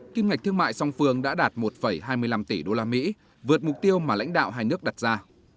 kinh ngạch thương mại song phường đã đạt một hai mươi năm tỷ đô la mỹ vượt mục tiêu mà lãnh đạo hai nước đặt ra